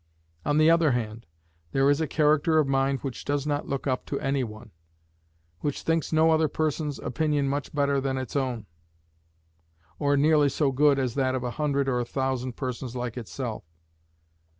On the other hand, there is a character of mind which does not look up to any one; which thinks no other person's opinion much better than its own, or nearly so good as that of a hundred or a thousand persons like itself.